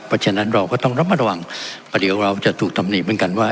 เพราะฉะนั้นเราก็ต้องระมัดระวังเพราะเดี๋ยวเราจะถูกตำหนิเหมือนกันว่า